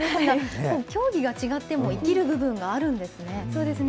競技が違っても生きる部分があるんですね。